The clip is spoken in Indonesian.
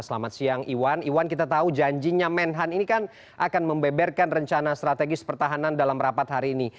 selamat siang iwan iwan kita tahu janjinya menhan ini kan akan membeberkan rencana strategis pertahanan dalam rapat hari ini